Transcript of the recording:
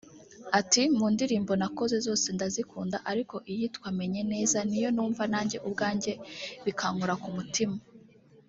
Ati “Mu ndirimbo nakoze zose ndazikunda ariko iyitwa ‘Menye Neza’ niyo numva nanjye ubwanjye bikankora ku mutima